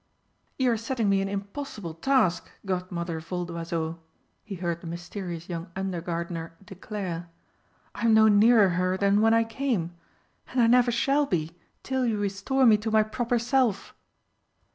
"You are setting me an impossible task, Godmother Voldoiseau!" he heard the mysterious young under gardener declare. "I am no nearer her than when I came. And I never shall be till you restore me to my proper self!"